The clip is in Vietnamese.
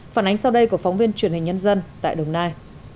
phản ánh sau đây của phóng viên truyền hình nhân dân tại đồng nai